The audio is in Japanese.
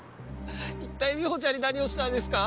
一体みほちゃんに何をしたんですか？